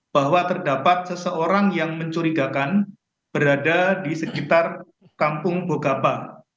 bahwa terdapat seseorang yang mencurigakan berada di sekitar kampung bogapa